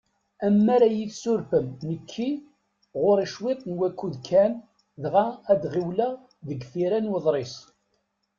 Ammer ad yi-tsurfem, nekki ɣur-i ciṭ n wakud kan, dɣa ad ɣiwleɣ deg tira n uḍris.